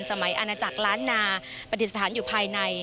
สมัยอาณาจักรล้านนาประดิษฐานอยู่ภายใน